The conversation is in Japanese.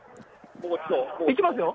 いきますよ。